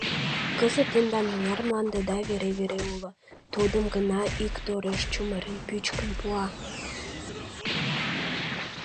Кызыт тендан мыняр мландыда вере-вере уло, тудым гына ик тореш чумырен пӱчкын пуа.